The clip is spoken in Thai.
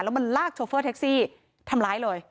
แล้วมันลากโชเฟอร์แท็กซี่ทำร้ายเลย